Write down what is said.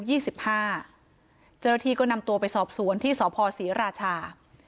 เจ้าหน้าที่ก็นำตัวไปสอบสวนที่สพศรีราชา